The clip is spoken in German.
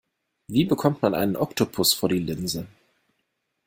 Wie bekommt man einen Oktopus vor die Linse?